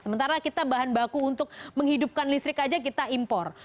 sementara kita bahan baku untuk menghidupkan listrik aja kita impor